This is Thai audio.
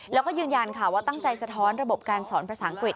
แล้วก็ยืนยันค่ะว่าตั้งใจสะท้อนระบบการสอนภาษาอังกฤษ